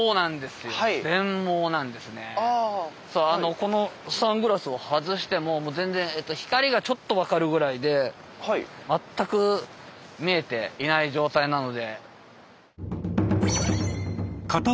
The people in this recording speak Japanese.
このサングラスを外してももう全然光がちょっと分かるぐらいで全く見えていない状態なので。